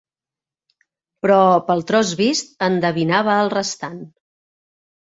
...però pel tros vist endevinava el restant.